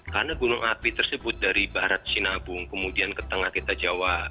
karena gunung api tersebut dari barat sinabung kemudian ke tengah kita jawa